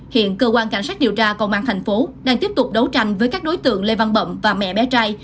hiện cơ quan cảnh sát điều tra công an thành phố đang tiếp tục đấu tranh với các đối tượng lê văn bậm và mẹ bé trai